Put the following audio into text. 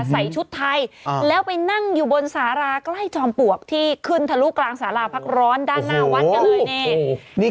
ใส่ชุดไทยแล้วไปนั่งอยู่บนสาราใกล้จอมปลวกที่ขึ้นทะลุกลางสาราพักร้อนด้านหน้าวัดกันเลยนี่